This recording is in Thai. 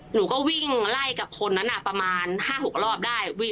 หนูก็วิ่งไล่กับคนนั้นประมาณ๕๖รอบได้